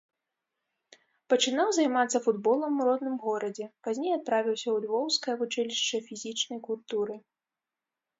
Пачынаў займацца футболам у родным горадзе, пазней адправіўся ў львоўскае вучылішча фізічнай культуры.